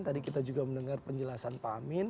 tadi kita juga mendengar penjelasan pak amin